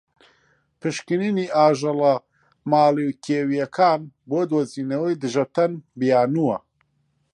پشکنینی ئاژەڵە ماڵی و کێویەکان بۆ دۆزینەوەی دژەتەن بیانوە.